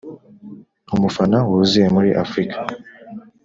umufana wuzuye muri afurika